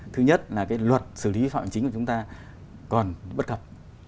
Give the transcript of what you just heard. thứ nhất là cái luật xử lý vi phạm chính của chúng ta còn bất cập